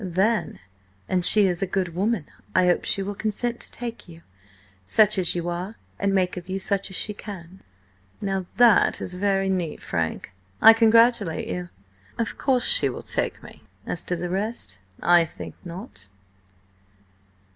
"Then, an she is a good woman, I hope she will consent to take you, such as you are, and make of you such as she can!" "Now that is very neat, Frank. I congratulate you. Of course she will take me; as to the rest–I think not."